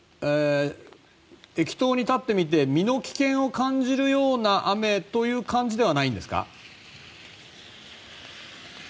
駅頭に立ってみて身の危険を感じるような雨という感じではないんですか？